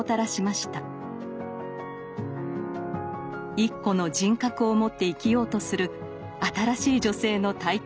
一個の人格を持って生きようとする新しい女性の台頭。